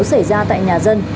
xảy ra tại nhà dân